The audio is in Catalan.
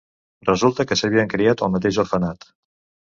Resulta que s'havien criat al mateix orfenat.